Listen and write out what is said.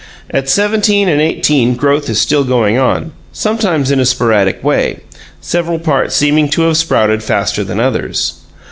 At seventeen and eighteen growth is still going on, sometimes in a sporadic way, several parts seeming to have sprouted faster than others.